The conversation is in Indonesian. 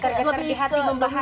getar getar di hati mempahamkan